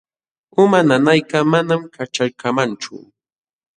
Uma nanaykaq manam kaćhaykamanchu.